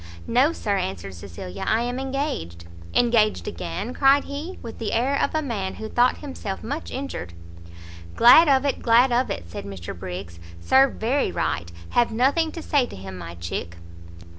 "No, Sir," answered Cecilia, "I am engaged." "Engaged again?" cried he, with the air of a man who thought himself much injured. "Glad of it, glad of it!" said Mr Briggs; "served very right! have nothing to say to him, my chick!"